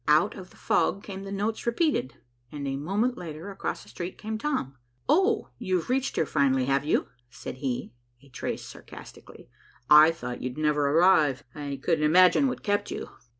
Out of the fog came the notes repeated, and a moment later across the street came Tom. "Oh, you've reached here finally, have you?" said he, a trace sarcastically. "I thought you'd never arrive; I couldn't imagine what kept you."